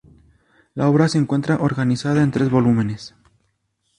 La obra se encuentra organizada en tres volúmenes.